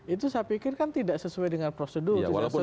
itu saya pikir kan tidak sesuai dengan prosedur